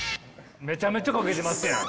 めちゃめちゃかけてますやん。